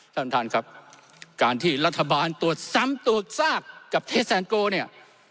ท่านประธานครับการที่รัฐบาลตรวจซ้ำตรวจซากกับเทสแซนโกเนี่ย